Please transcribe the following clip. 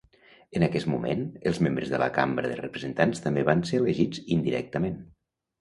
En aquest moment, els membres de la Cambra de Representants també van ser elegits indirectament.